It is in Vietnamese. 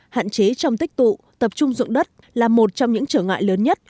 hạn chế trong tích tụ tập trung dụng đất là một trong những trở ngại lớn nhất